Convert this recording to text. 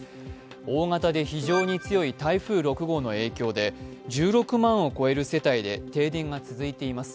大型で非常に強い台風６号の影響で１６万を超える世帯で停電が続いています。